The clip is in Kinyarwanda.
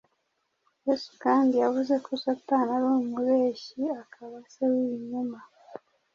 Yesu kandi yavuze ko Satani ari umubeshyi akaba se w’ibinyoma